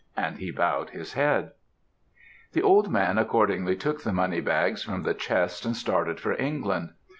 and he bowed his head.' "The old man accordingly took the moneybags from the chest and started for England.